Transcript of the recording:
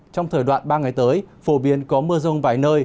trong thời đoạn ba ngày tới phổ biến có mưa rông vài nơi